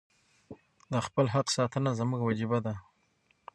د خپل حق ساتنه زموږ وجیبه ده.